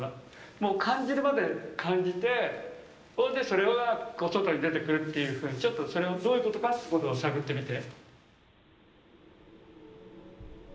もう感じるまで感じてそれが外に出てくるっていうふうにちょっとそれをどういうことかってことを探ってみて。